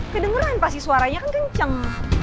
kedengeran pasti suaranya kan kenceng